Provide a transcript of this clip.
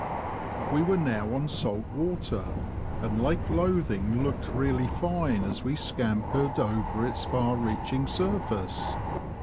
We were now on salt water, and Lake Lothing looked really fine as we scampered over its far reaching surface.